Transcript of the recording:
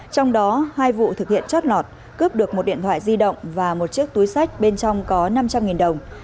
trong đó hai vụ thực hiện chót lọt cướp được một điện thoại di động và một chiếc túi sách bên trong có năm trăm linh đồng